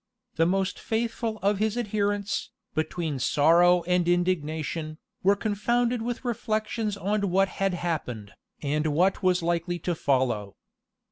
The most faithful of his adherents, between sorrow and indignation, were confounded with reflections on what had happened, and what was likely to follow.